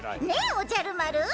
おじゃる丸。